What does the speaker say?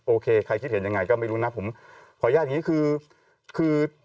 โอเคใครคิดเห็นยังไงก็ไม่รู้นะผมขออนุญาตอย่างนี้คือคือ